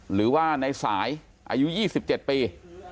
หรือว่าในสายอายุ๒๗ปี